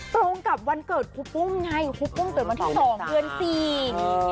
ตรงกับวันเกิดครูปุ้มไงครูปุ้มเกิดวันที่สองเดือนสี่